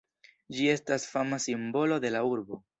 Ĝi estas fama simbolo de la urbo.